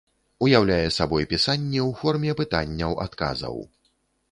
Ўяўляе сабой пісанне ў форме пытанняў-адказаў.